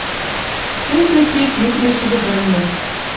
Тӹньжӹ киэт юкде шуды вӹлнӹ.